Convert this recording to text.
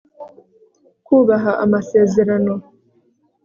kubaha amasezerano